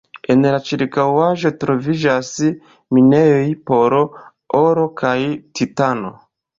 En la ĉirkaŭaĵo troviĝas minejoj por oro kaj titano.